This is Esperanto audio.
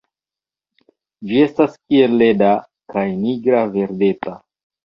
Ĝi estas kiel leda, kaj nigra-verdeta.